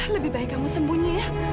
lebih baik kamu sembunyi ya